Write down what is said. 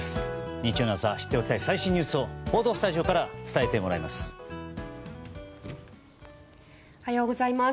日曜の朝知っておきたい最新ニュースを報道スタジオから伝えてもらいます。